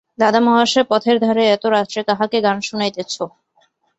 দাদা মহাশয়, পথের ধারে এত রাত্রে কাহাকে গান শুনাইতেছ?